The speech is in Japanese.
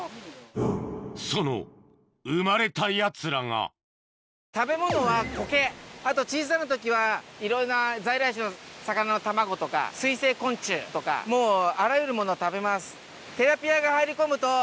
その生まれたやつらが食べ物はコケあと小さな時はいろんな在来種の魚の卵とか水生昆虫とかもうあらゆるものを食べます。